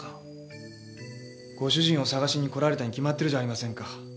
ご主人を捜しに来られたに決まってるじゃありませんか。